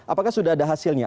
apakah sudah ada hasilnya